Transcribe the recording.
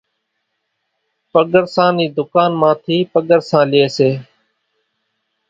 پڳرسان نِي ڌُڪان مان ٿِي پڳرسان لئي سي۔